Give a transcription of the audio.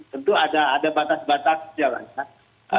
tentu ada batas batas saja lah ya